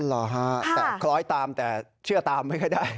หรอคล้อยตามแต่เชื่อตามไม่ได้